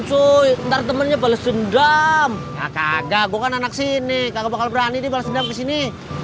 cuy ntar temennya bales dendam kagak gua kan anak sini kagak bakal berani dibalas dendam kesini